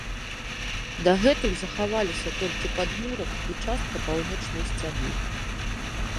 Дагэтуль захаваліся толькі падмурак і частка паўночнай сцяны.